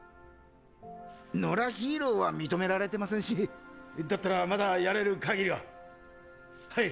野良ヒーローは認められてませんしだったらまだやれる限りははい。